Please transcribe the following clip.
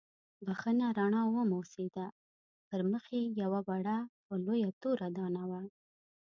بښنه رڼا وموسېده، پر مخ یې یوه وړه او لویه توره دانه وه.